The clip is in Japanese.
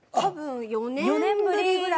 ４年ぶりぐらい。